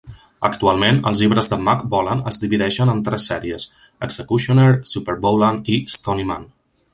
Actualment, els llibres de Mack Bolan es divideixen en tres sèries: Executioner, SuperBolan i Stony Man.